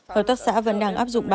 hợp tác xã vẫn đang áp dụng ba biện pháp